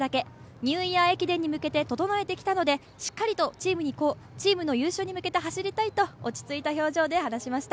ニューイヤー駅伝に向けて整えてきたのでしっかりとチームの優勝に向けて走りたいと落ち着いた表情で話しました。